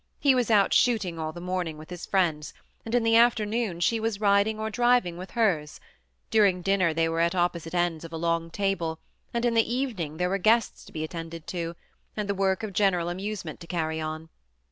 He was out shooting all fhe morning with his friends ; and in the afternoon she was riding or driving with hers : during dinner they were at opposite ends of a long table,' and in the even ing there were guests to be attended to, and the work of general amusement to carry on.